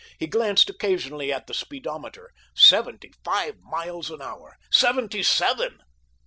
He glanced occasionally at the speedometer. Seventy five miles an hour. Seventy seven!